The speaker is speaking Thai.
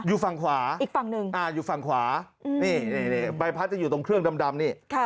อยู่ฝั่งขวาอีกฝั่งหนึ่งอยู่ฝั่งขวานี่ใบพัดจะอยู่ตรงเครื่องดำนี่